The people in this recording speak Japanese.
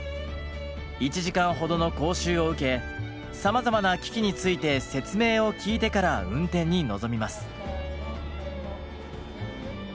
１時間ほどの講習を受けさまざまな機器について説明を聞いてから運転に臨みます。